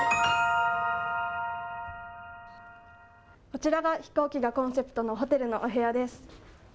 こちらが飛行機がコンセプトのホテルのお部屋です。